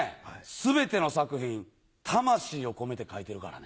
全ての作品魂を込めて書いてるからね。